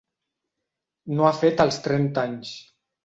No ha fet els trenta anys.